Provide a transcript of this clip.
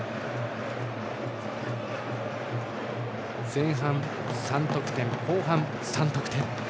前半３得点、後半３得点。